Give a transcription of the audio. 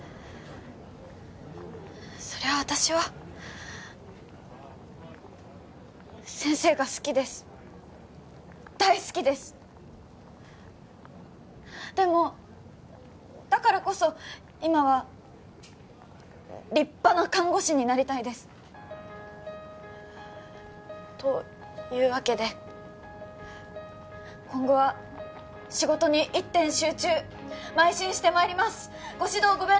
そりゃあ私は先生が好きです大好きですでもだからこそ今は立派な看護師になりたいですというわけで今後は仕事に一点集中まい進してまいりますご指導ごべん